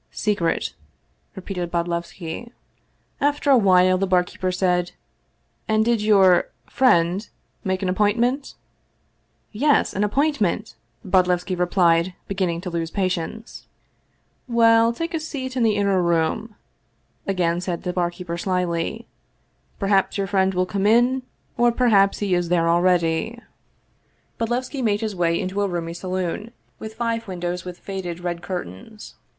"' Secret/ " repeated Bodlevski. After a while the barkeeper said, " And did your friend make an appointment ?"" Yes, an appointment !" Bodlevski replied, beginning to lose patience. " Well, take a seat in the inner room," again said the barkeeper slyly. " Perhaps your friend will come in, or perhaps he is there already/' Bodlevski made his way into a roomy saloon, with five windows with faded red curtains.